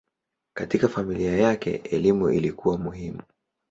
Katika familia yake elimu ilikuwa muhimu.